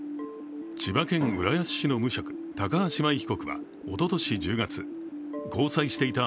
千葉県浦安市の無職、高橋舞被告はおととし１０月、交際していた